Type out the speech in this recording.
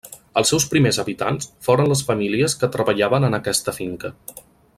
Els seus primers habitants foren les famílies que treballaven en aquesta finca.